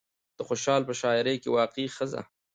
د خوشال په شاعرۍ کې واقعي ښځه